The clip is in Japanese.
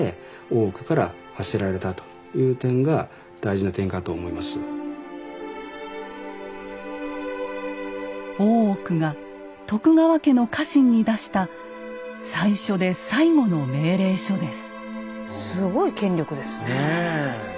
このとあるところで大奥が徳川家の家臣に出した最初で最後の命令書です。